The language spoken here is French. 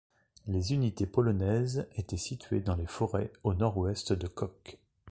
Les unités polonaises étaient situées dans les forêts au nord-ouest de Kock.